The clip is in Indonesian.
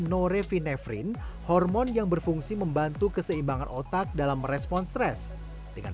norevinefrin hormon yang berfungsi membantu keseimbangan otak dalam merespon stres dengan